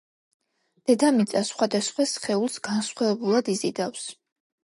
დედამიწა სხვადასხვა სხეულს განსხვავებულად იზიდავს